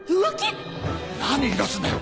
何言いだすんだよ。